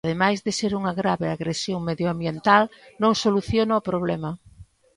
Ademais de ser unha grave agresión medioambiental, non soluciona o problema.